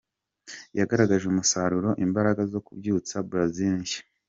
Yagaragaje umusaruro, imbaraga zo kubyutsa Brazil nshya.